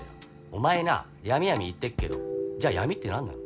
お前な闇闇言ってっけどじゃあ闇って何なの？